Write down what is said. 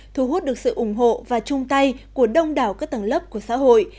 thu hút được sự ủng hộ và chung tay của đông đảo các tầng lớp của xã hội